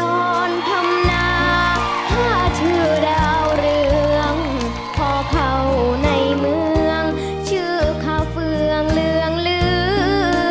ตอนพรรมนาข้าเธอดาวเรืองพอเข้าในเมืองชื่อข้าเฟืองเรืองลืม